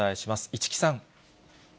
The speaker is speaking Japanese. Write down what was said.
市來さん。